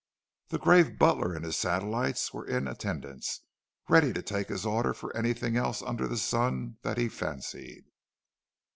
The grave butler and his satellites were in attendance, ready to take his order for anything else under the sun that he fancied.